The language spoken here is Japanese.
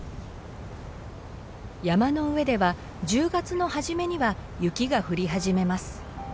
山の上では１０月の初めには雪が降り始めます。